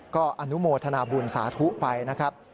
ก็อนุโมทนาบุญสาธุไปนะครับ